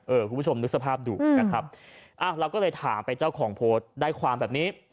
คุณผู้ชมนึกสภาพดูนะครับอ่าเราก็เลยถามไปเจ้าของโพสต์ได้ความแบบนี้